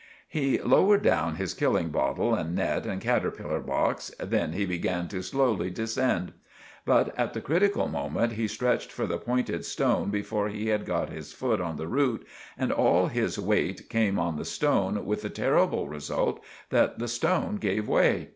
He lowered down his killing bottle and net and caterpillar box, then he began to slowly dissend. But at the critikal moment he stretched for the pointed stone before he had got his foot on the root and all his wait came on the stone with the terrible result that the stone gave way.